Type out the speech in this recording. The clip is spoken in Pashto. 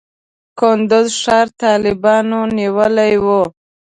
کندز ښار طالبانو نیولی و.